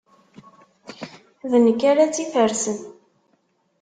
D nekk ara tt-ifersen.